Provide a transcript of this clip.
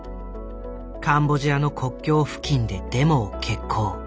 カンボジアの国境付近でデモを決行。